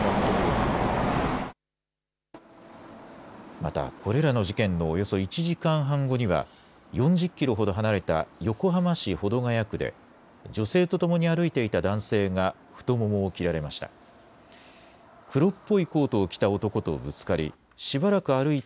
また、これらの事件のおよそ１時間半後には、４０キロほど離れた横浜市保土ケ谷区で、女性と共に歩いていた男性が、太ももを切られました。